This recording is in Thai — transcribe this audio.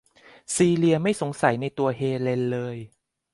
ซีเลียไม่สงสัยในตัวเฮเลนเลย